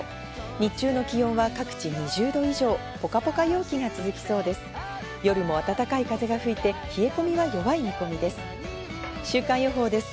日中の気温は各地２０度以上、ポカポカ陽気が続きそうです。